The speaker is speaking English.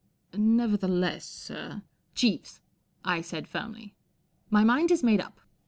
" Nevertheless, sir "" Jeeves," I said, firmly, u my mind is made up.